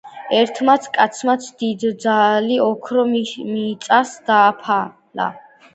ერთმან კაცმან დიდძალი ოქრო მიწასა დაფლა .